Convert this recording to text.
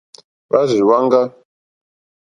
Hwá rzì hwáŋɡá.